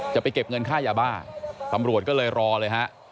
จะไปเก็บเงินค่ายาบ้าตำรวจก็เลยรอเลยฮะ